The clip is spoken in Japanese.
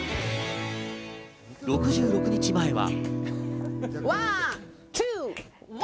６６日前は。